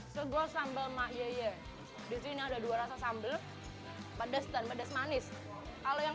sego sambal mahyeye di sini ada dua rasa sambal pedes dan pedes manis kalau yang